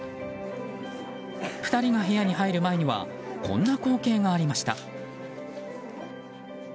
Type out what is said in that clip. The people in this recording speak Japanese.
２人が部屋に入る前にはこんな光景がありました。